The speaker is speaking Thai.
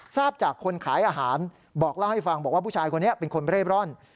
ทราบจากคนขายอาหารบอกเล่าให้ฟังบอกว่าผู้ชายคนนี้เป็นคนเร่ร่อน